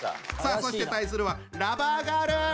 さあそして対するはラバーガール！